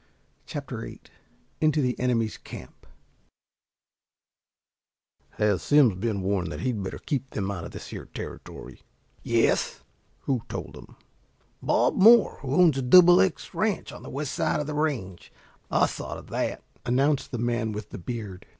CHAPTER VIII INTO THE ENEMY'S CAMP "Has Simms been warned that he'd better keep them out of this here territory?" asked one. "Yes." "Who told him?" "Bob Moore, who owns the Double X Ranch on the west side of the range. I saw to that," announced the man with the beard.